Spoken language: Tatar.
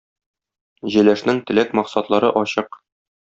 Җәләшнең теләк, максатлары ачык.